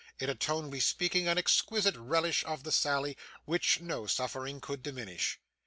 in a tone bespeaking an exquisite relish of the sally, which no suffering could diminish.